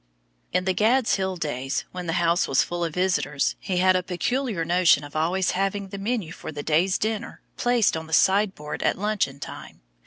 In the "Gad's Hill" days, when the house was full of visitors, he had a peculiar notion of always having the menu for the day's dinner placed on the sideboard at luncheon time.